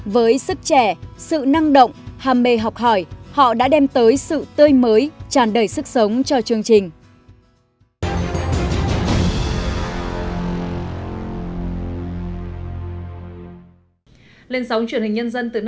với sức trẻ sự năng động hàm mê học hỏi họ đã đem tới sự tươi mới tràn đầy sức sống cho chương trình